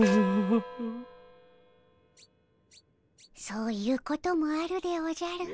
そういうこともあるでおじゃる。